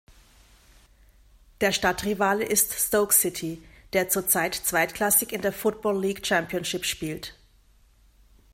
Der Stadtrivale ist Stoke City, der zurzeit zweitklassig in der Football League Championship spielt.